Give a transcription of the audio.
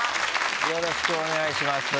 よろしくお願いします。